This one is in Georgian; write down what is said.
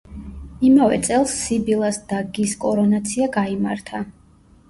იმავე წელს სიბილას და გის კორონაცია გაიმართა.